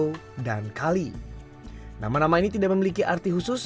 tetapi mereka juga memiliki nama nama yang unik mulai dari stacy kylie flea flo dan kali